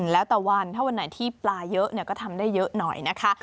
แล้วแต่วันถ้าวันไหนที่ปลาเยอะก็ทำได้เยอะหน่อยนะคะ